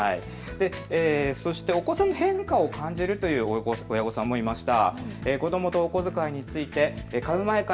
お子さんの変化を感じるという親御さんもいました。